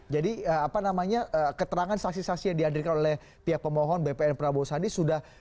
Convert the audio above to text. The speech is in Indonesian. jadi apa namanya keterangan saksi saksi yang dihadirkan oleh pihak pemohon bpn prabowo sandi sudah